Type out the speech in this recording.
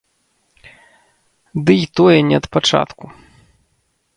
Дый тое не ад пачатку.